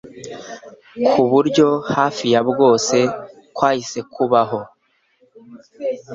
k’uburyo hafi ya bwose kwahise kubaho